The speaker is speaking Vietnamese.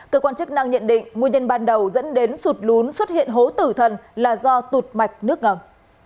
cơ quan chức năng nhận định nguyên nhân ban đầu dẫn đến sụt lún xuất hiện hố tử thần là do tụt mạch nước ngầm